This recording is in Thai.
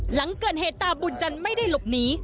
หลังเกิดเหตุตาบุญจันทร์ไม่ได้หลบหนี